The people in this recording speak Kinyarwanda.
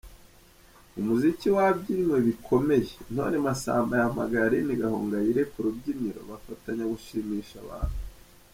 Umuziki wabyinwe bikomeyeIntore Masamba yahamagaye Aline Gahongayire ku rubyiniro bafatanya gushimisha abantu.